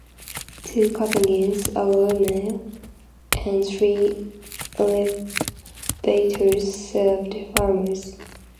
Two cotton gins, a roller mill, and three elevators served farmers.